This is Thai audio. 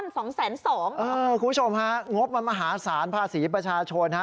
คุณผู้ชมฮะงบมันมหาศาลภาษีประชาชนฮะ